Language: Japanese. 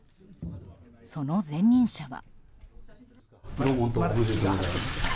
その前任者は。